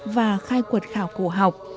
và khai quật khảo cổ học